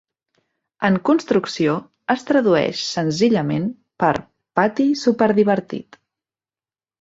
'En construcció' es tradueix senzillament per 'pati superdivertit'.